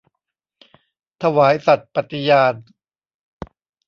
ถวายสัตย์ปฏิญาณ